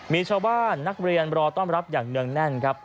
มีชาวบ้านนักเรียนรอต้อนรับอย่างเนื่องแน่นครับ